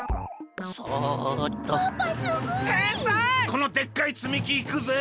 このでっかいつみきいくぜ！